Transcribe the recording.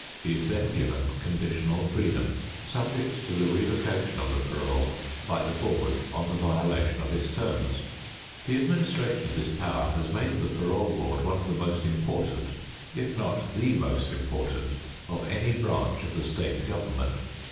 He is then given conditional freedom, subject to the revocation of the parole by the board on the violation of its terms. The administration of this power has made the parole board one of the most important, if not the most important, of any branch of the state government.